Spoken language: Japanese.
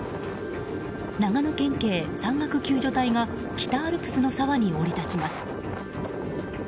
長野県警山岳救助隊が北アルプスの沢に降り立ちます。